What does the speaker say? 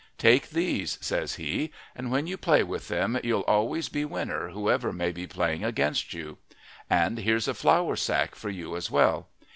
"Take these," says he, "and when you play with them you'll always be winner whoever may be playing against you. And here's a flour sack for you as well.